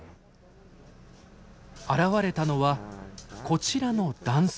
現れたのはこちらの男性。